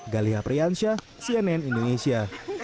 galiha priyansyah cnn indonesia